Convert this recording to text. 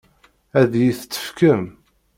Ad iyi-t-tefkem?